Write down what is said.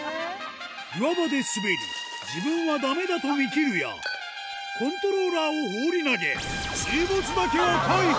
岩場で滑り、自分はだめだと見切るや、コントローラーを放り投げ、水没だけは回避。